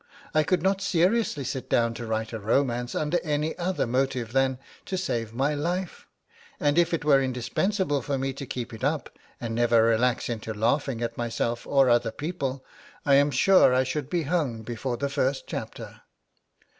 I could not seriously sit down to write a romance under any other motive than to save my life; and if it were indispensable for me to keep it up, and never relax into laughing at myself or other people, I am sure I should be hung before the first chapter.'